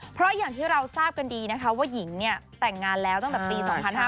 เพราะอย่างที่เราทราบกันดีนะคะว่าหญิงเนี่ยแต่งงานแล้วตั้งแต่ปี๒๕๕๙